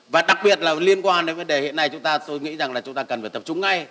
và đặc biệt liên quan đến vấn đề hiện nay tôi nghĩ chúng ta cần tập trung ngay